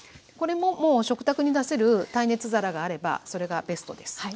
これももう食卓に出せる耐熱皿があればそれがベストです。